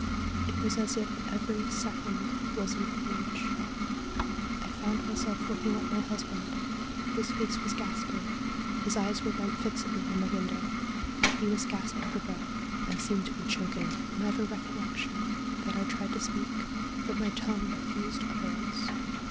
It was as if every second was an age. I found myself looking at my husband. His face was ghastly : his eyes were bent fixedly on the window. He was gasping for breath, and seemed to be choking, and I've a recollection that I tried to speak, but my Q2 238 STORIES WEIRD AND WONDERFUL tongue refused utterance.